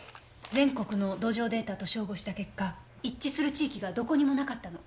全国の土壌データと照合した結果一致する地域がどこにもなかったの。